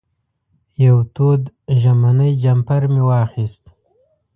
یو تود ژمنی جمپر مې واخېست.